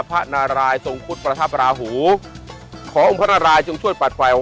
พระนารายณทรงพุธประธัปดาหูขอองค์พระนารายณจงช่วนปัดไฟของ